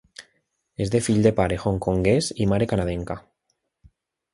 És de fill de pare hongkonguès i mare canadenca.